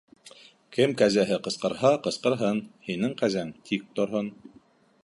Кем кәзәһе ҡысҡырһа ҡысҡырһын, һинең кәзәң тик торһон.